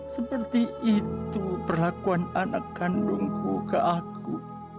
seperti itu perlakuan anak kandungku ke aku